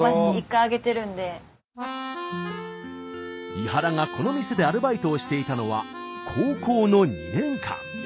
伊原がこの店でアルバイトをしていたのは高校の２年間。